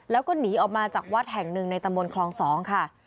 แล้วก็หนีออกมาจากวัดแห่งหนึ่งในตำบลคลอง๒ค่ะ